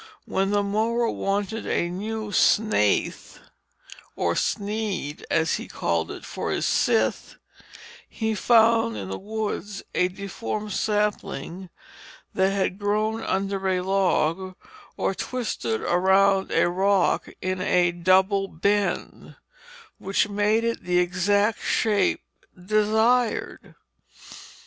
When the mower wanted a new snathe or snead, as he called it, for his scythe, he found in the woods a deformed sapling that had grown under a log or twisted around a rock in a double bend, which made it the exact shape desired.